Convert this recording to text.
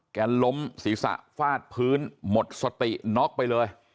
ล้มศีรษะฟาดพื้นหมดสติน็อกไปเลย